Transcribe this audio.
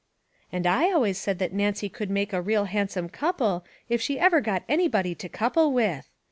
"('And I always said that Nancy would make a real handsome couple if she ever got anybody to couple with!')"